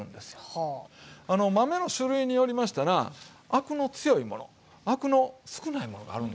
豆の種類によりましたらアクの強いものアクの少ないものがあるんですよ。